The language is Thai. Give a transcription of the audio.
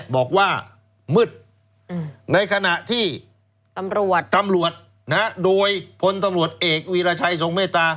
บอกว่ามืดในขณะที่ตำรวจตำรวจโดยพลตำรวจเอกวีรชัยทรงเมตตา